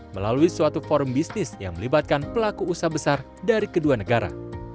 melalui suatu forum bisnis yang melibatkan pelaku usaha besar dari kedua negara